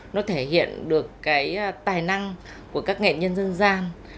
nó thể hiện được cái tài năng của các nghệ nhân dân gian